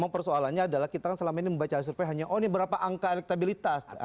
persoalannya adalah kita kan selama ini membaca survei hanya oh ini berapa angka elektabilitas